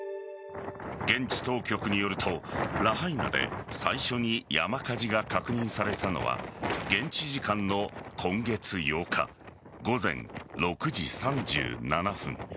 現地当局によると、ラハイナで最初に山火事が確認されたのは現地時間の今月８日午前６時３７分。